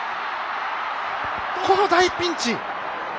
この大ピンチ。